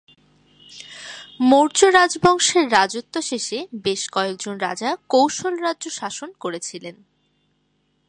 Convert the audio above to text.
মৌর্য্য রাজবংশের রাজত্ব শেষে বেশ কয়েকজন রাজা কোশল রাজ্য শাসন করেছিলেন।